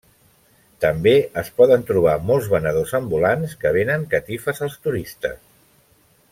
També es poden trobar molts venedors ambulants que venen catifes als turistes.